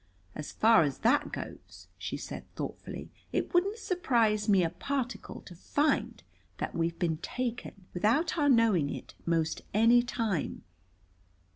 As far as that goes," she said thoughtfully, "it wouldn't surprise me a particle to find that we've been taken, without our knowing it, most any time.